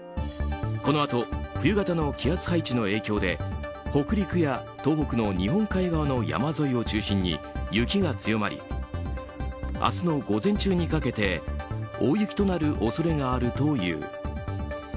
このあと冬型の気圧配置の影響で北陸や東北の日本海側の山沿いを中心に雪が強まり明日の午前中にかけて大雪となる恐れがあるという。